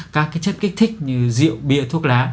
các cái chất kích thích như rượu bia thuốc lá